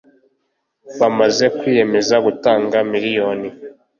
bamaze kwiyemeza gutanga miliyoni